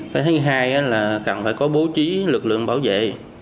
cái thứ hai là cần phải có bố trí lực lượng bảo vệ